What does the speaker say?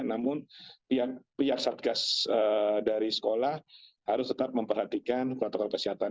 namun pihak satgas dari sekolah harus tetap memperhatikan protokol kesehatan